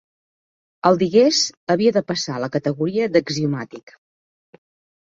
El digués havia de passar a la categoria d'axiomàtic.